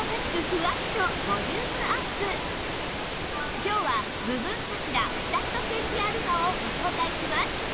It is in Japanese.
今日は部分かつらピタットチェンジ α をご紹介します